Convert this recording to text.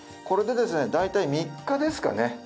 これでですね大体３日ですかね。